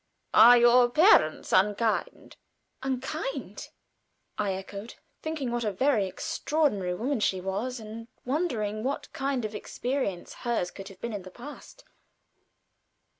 "Are your parents unkind?" "Unkind!" I echoed, thinking what a very extraordinary woman she was and wondering what kind of experience hers could have been in the past.